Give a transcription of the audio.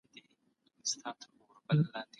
د ټولني د انسجام پراختيا د علمې پوهي اړتیا ده.